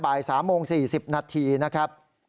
บ่าย๓โมง๔๐นาทีนะครับ